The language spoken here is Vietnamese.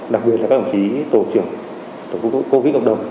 đặc biệt là các đồng chí tổ trưởng tổ chức covid cộng đồng